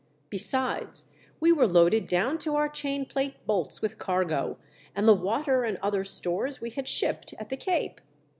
Besides, we were loaded down to our chain plate bolts with cargo, and the water and other stores we had shipped at the Cape.